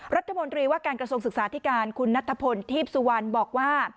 รัฐมนตรีว่าการกระทรวงศึกษาธิการคุณนัทพลทีพสุวรรณบอกว่า